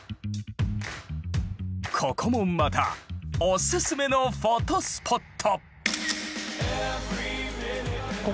ここもまたおすすめのフォトスポット！